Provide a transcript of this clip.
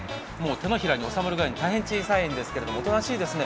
手のひらに収まるぐらい大変小さいんですけどおとなしいですね。